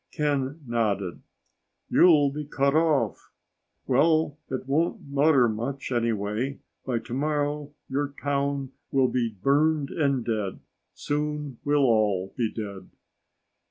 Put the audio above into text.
Ken nodded. "You'll be cut off. Well, it won't matter much anyway. By tomorrow your town will be burned and dead. Soon, we'll all be dead."